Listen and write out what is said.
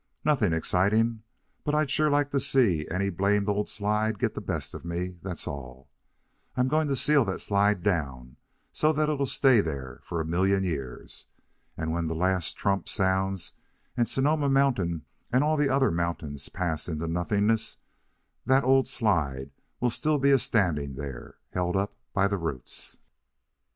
"Nothing exciting. But I'd sure like to see any blamed old slide get the best of me, that's all. I'm going to seal that slide down so that it'll stay there for a million years. And when the last trump sounds, and Sonoma Mountain and all the other mountains pass into nothingness, that old slide will be still a standing there, held up by the roots."